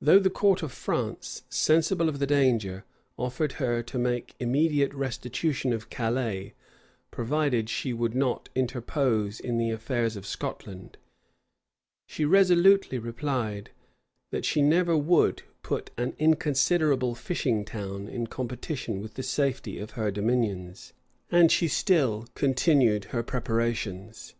Though the court of France, sensible of the danger, offered her to make immediate restitution of Calais, provided she would not interpose in the affairs of Scotland, she resolutely replied, that she never would put an inconsiderable fishing town in competition with the safety of her dominions;[] and she still continued her preparations.